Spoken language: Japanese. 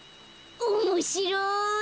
おもしろい！